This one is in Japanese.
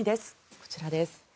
こちらです。